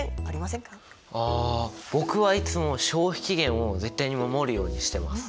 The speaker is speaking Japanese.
あ僕はいつも消費期限を絶対に守るようにしてます。